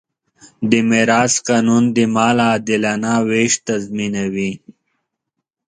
د میراث قانون د مال عادلانه وېش تضمینوي.